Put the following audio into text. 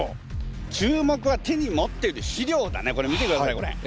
注目は手に持ってる資料だねこれ見てくださいよこれ。